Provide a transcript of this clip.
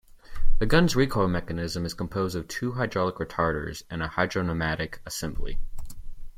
The gun's recoil mechanism is composed of two hydraulic retarders and a hydropneumatic assembly.